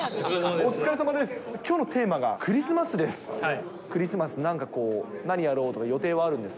お疲れさまです、きょうのテーマがクリスマスです。